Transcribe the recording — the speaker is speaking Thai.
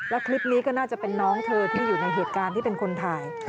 แล้วคลิปนี้ก็น่าจะเป็นน้องเธอที่อยู่ในเหตุการณ์ที่เป็นคนถ่าย